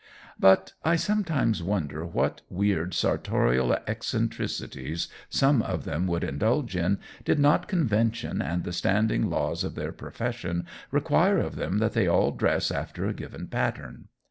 But I sometimes wonder what weird sartorial eccentricities some of them would indulge in did not convention and the standing laws of their profession require of them that they all dress after a given pattern.